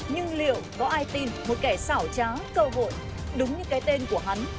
nhưng liệu có ai tin một kẻ xảo trá cầu hội đúng như cái tên của hắn